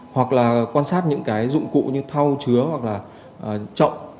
hoặc là quan sát những dụng cụ như thau chứa hoặc là trọng